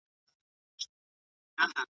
انعکلس ورکوي ,